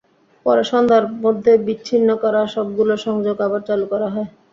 পরে সন্ধ্যার মধ্যে বিচ্ছিন্ন করা সবগুলো সংযোগ আবার চালু করা হয়।